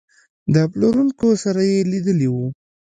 د پلورونکو سره یې لیدلي وو.